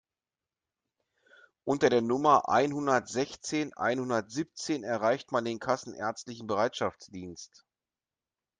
Unter der Nummer einhundertsechzehn einhundertsiebzehn erreicht man den kassenärztlichen Bereitschaftsdienst.